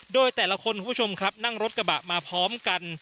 โดยแต่ละคนคุณผู้ชมครับนั่งรถกระบะมาพร้อมกัน